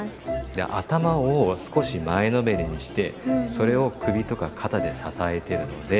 頭を少し前のめりにしてそれを首とか肩で支えてるので。